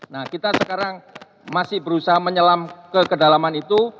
nah kita sekarang masih berusaha menyelam ke kedalaman itu